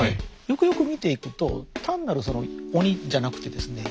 よくよく見ていくと単なるその鬼じゃなくてですね